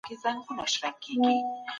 موږ د تاریخ پاڼې په ډیر دقت واړولې.